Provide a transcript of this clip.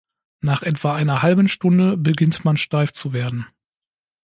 Nach etwa einer halben Stunde beginnt man steif zu werden.